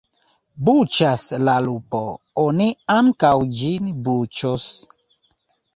Buĉas la lupo, oni ankaŭ ĝin buĉos.